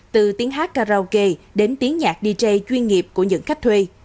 từ tiếng hát karaoke đến tiếng nhạc dj chuyên nghiệp của những khách thuê